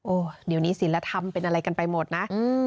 โอ้โหเดี๋ยวนี้ศิลธรรมเป็นอะไรกันไปหมดนะ